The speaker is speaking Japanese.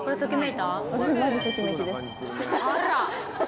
あら！